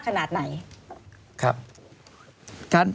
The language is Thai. ขนาดไหน